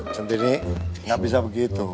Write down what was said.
cinti nih nggak bisa begitu